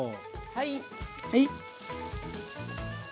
はい。